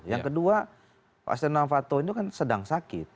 yang kedua pak stiano fanto ini kan sedang sakit